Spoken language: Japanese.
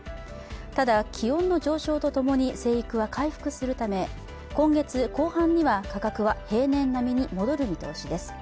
ただ、気温の上昇とともに生育は回復するため、今月後半には価格は平年並みに戻る見通しです。